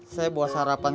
saya buah sarapan